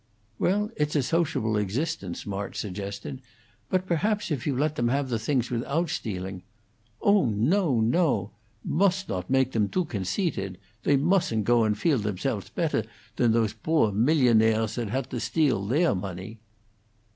"Well, it's a sociable existence," March suggested. "But perhaps if you let them have the things without stealing " "Oh no, no! Most nodt mage them too gonceitedt. They mostn't go and feel themselfs petter than those boor millionairss that hadt to steal their money."